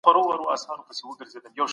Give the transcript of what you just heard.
هیوادونه د ترهګرۍ په خلاف په ګډه کار کوي.